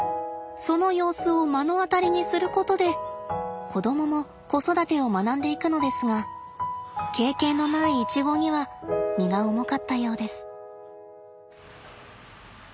その様子を目の当たりにすることで子供も子育てを学んでいくのですが経験のないイチゴには荷が重かったようです。